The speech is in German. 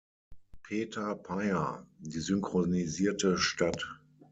Peter Payer: "Die synchronisierte Stadt.